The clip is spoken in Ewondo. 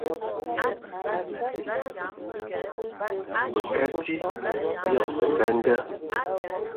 Otana a yǝlǝ anǝ angoge,